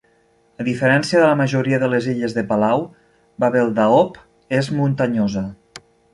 A diferència de la majoria de les illes de Palau, Babeldaob és muntanyosa.